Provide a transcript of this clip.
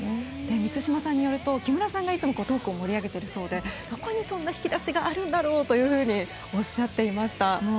満島さんによると木村さんがいつもトークを盛り上げているそうでどこにそんな引き出しがあるんだろうとおっしゃっていました。